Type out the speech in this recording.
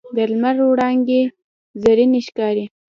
د لمر وړانګې زرینې ښکاري